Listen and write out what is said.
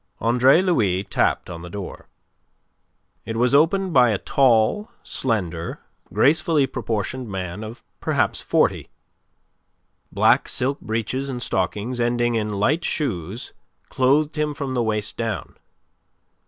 Andre Louis tapped on the door. It was opened by a tall, slender, gracefully proportioned man of perhaps forty. Black silk breeches and stockings ending in light shoes clothed him from the waist down.